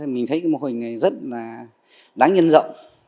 mình thấy cái mô hình này rất là đáng nhân rộng